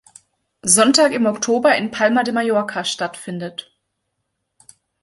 Sonntag im Oktober in Palma de Mallorca stattfindet.